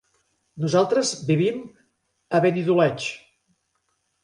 Nosaltres vivim a Benidoleig.